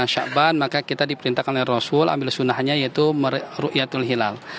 dua puluh sembilan syakban maka kita diperintahkan oleh rasul ambil sunnahnya yang berikut ini